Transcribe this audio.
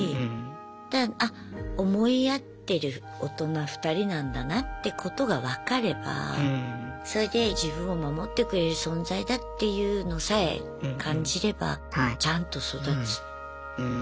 だからあ思い合ってる大人２人なんだなってことが分かればそれで自分を守ってくれる存在だっていうのさえ感じればちゃんと育つ。